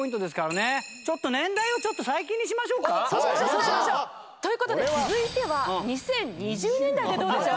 そうしましょう。という事で続いては２０２０年代でどうでしょう？